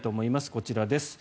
こちらです。